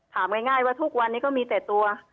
ถามง่ายว่าทุกวันนี้ก็มีแต่ตัว